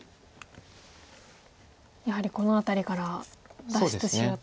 やはりこの辺りから脱出しようと。